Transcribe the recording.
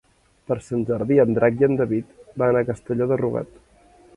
Per Sant Jordi en Drac i en David van a Castelló de Rugat.